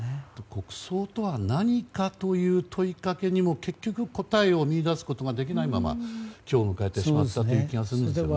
国葬とは何かという問いかけにも結局答えを見いだすことができないまま今日を迎えてしまった気がするんですね。